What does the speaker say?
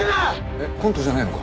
えっコントじゃねえのか？